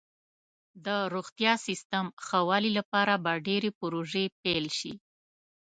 د روغتیا سیستم ښه والي لپاره به ډیرې پروژې پیل شي.